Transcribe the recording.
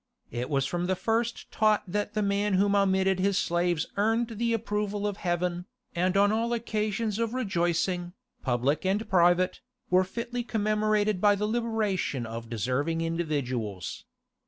It was from the first taught that the man who manumitted his slaves earned the approval of heaven, and all occasions of rejoicing, public and private, were fitly commemorated by the liberation of deserving individuals.